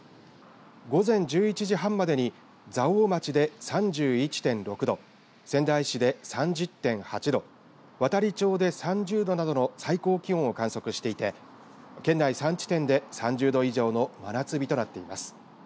午前１１時半までに蔵王町で３１．６度、仙台市で３０．８度、亘理町で３０度などの最高気温を観測していて県内３地点で３０度以上の真夏日となっています。